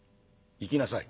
行きなさい。